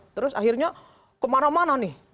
terus akhirnya kemana mana nih